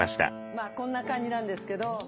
まあこんな感じなんですけど。